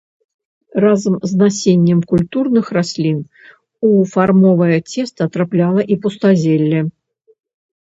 Разам з насеннем культурных раслін у фармавое цеста трапляла і пустазелле.